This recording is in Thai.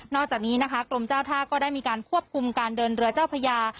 จากนี้นะคะกรมเจ้าท่าก็ได้มีการควบคุมการเดินเรือเจ้าพญา